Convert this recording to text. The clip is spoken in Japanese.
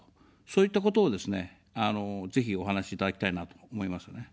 そういったことをですね、ぜひお話しいただきたいなと思いますね。